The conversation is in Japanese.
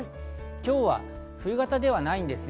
今日は冬型ではないんですね。